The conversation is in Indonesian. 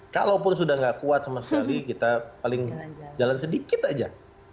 kalaupun sudah tidak kuat sama sekali kita paling jalan sedikit aja